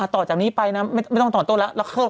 ต่อจากนี้ไปนะไม่ต้องต่อต้นแล้ว